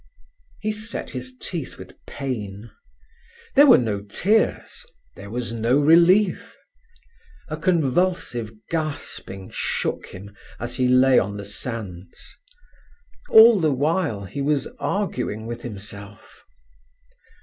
He set his teeth with pain. There were no tears, there was no relief. A convulsive gasping shook him as he lay on the sands. All the while he was arguing with himself.